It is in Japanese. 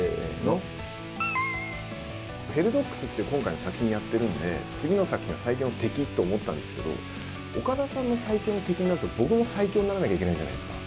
ヘルドッグスっていう今回の作品やってるんで、次の作品は最強の敵と思ったんですけど、岡田さんの最強の敵になると僕も最強にならなきゃいけないじゃないですか。